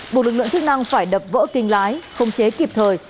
buộc lực lượng chức năng phải đập vỡ kinh lái không chế kịp thời